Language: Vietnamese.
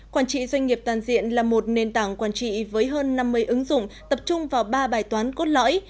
quản trị doanh nghiệp toàn diện là một nền tảng quản trị với hơn năm mươi ứng dụng tập trung vào ba bài toán cốt lõi